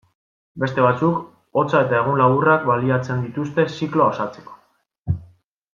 Beste batzuk, hotza eta egun laburrak baliatzen dituzte zikloa osatzeko.